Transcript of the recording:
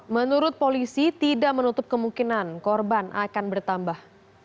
menurut polisi tidak menutup kemungkinan korban akan bertambah